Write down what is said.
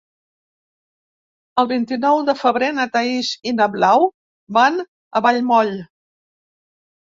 El vint-i-nou de febrer na Thaís i na Blau van a Vallmoll.